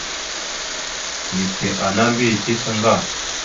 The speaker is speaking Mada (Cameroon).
Neke ana mbiyez tife ŋga.